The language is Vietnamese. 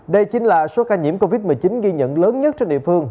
đây chính là số ca nhiễm covid một mươi chín ghi nhận lớn nhất trên địa phương